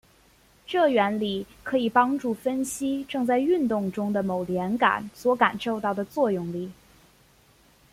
这原理可以帮助分析正在运动中的某连杆所感受到的作用力。